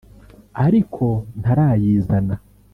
ariko ntarayizana